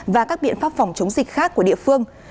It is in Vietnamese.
và các biện pháp phòng chống dịch khác của địa phương